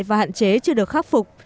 và hạn chế chưa được khắc phục